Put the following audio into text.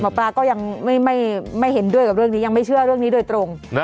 หมอปลาก็ยังไม่เห็นด้วยกับเรื่องนี้ยังไม่เชื่อเรื่องนี้โดยตรง